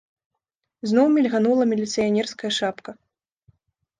Зноў мільганула міліцыянерская шапка.